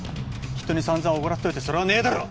人に散々おごらせといてそれはねえだろ！